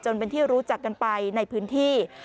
เป็นที่รู้จักกันไปในพื้นที่